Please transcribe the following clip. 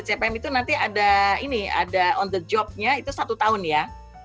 program bcpm itu nanti ada ini ada on the job nya itu satu tahun ya